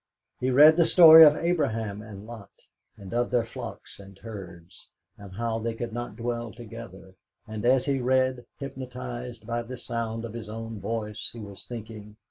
He read the story of Abraham and Lot, and of their flocks and herds, and how they could not dwell together, and as he read, hypnotised by the sound of his own voice, he was thinking